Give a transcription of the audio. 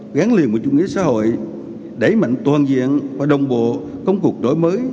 gắn liền với chủ nghĩa xã hội đẩy mạnh toàn diện và đồng bộ công cuộc đổi mới